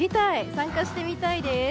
参加してみたいです。